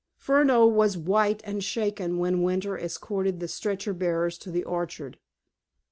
Furneaux was white and shaken when Winter escorted the stretcher bearers to the orchard.